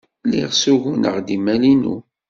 Lliɣ ssuguneɣ-d imal-inu.